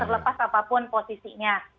terlepas apapun posisinya